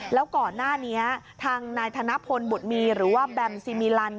แล้วก่อนหน้านี้ทางนายธนพลบุตรมีหรือว่าแบมซิมิลัน